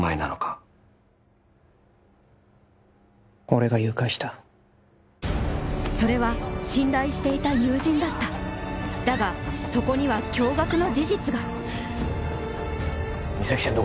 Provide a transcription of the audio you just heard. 俺が誘拐したそれは信頼していた友人だっただがそこには驚がくの事実が実咲ちゃん